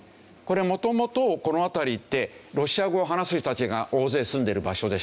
元々この辺りってロシア語を話す人たちが大勢住んでる場所でしょ。